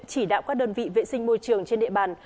chỉ đạo các đơn vị vệ sinh môi trường trên địa bàn